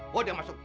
bawa dia masuk